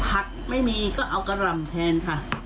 ผักไม่มีก็เอากะหล่ำแทนค่ะ